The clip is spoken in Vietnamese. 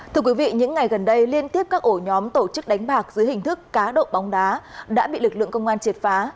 thưa quý vị những ngày gần đây liên tiếp các ổ nhóm tổ chức đánh bạc dưới hình thức cá độ bóng đá đã bị lực lượng công an triệt phá